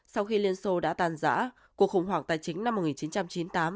sau khi liên xô đã tàn giã cuộc khủng hoảng tài chính năm một nghìn chín trăm chín mươi tám